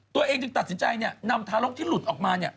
ตัวเองจึงตัดสินใจนำทารกที่หลุดออกมา